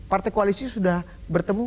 partai koalisi sudah bertemu